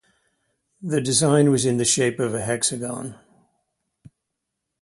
The design was in the shape of a hexagon